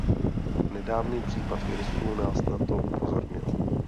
Nedávný případ v Irsku nás na to upozornil.